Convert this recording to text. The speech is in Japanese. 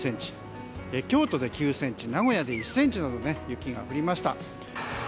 京都で９ｃｍ、名古屋で１ｃｍの雪が降りました。